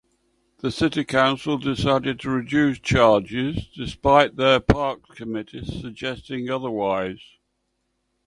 The City Council decided to reduce charges despite their Parks Committee suggesting otherwise.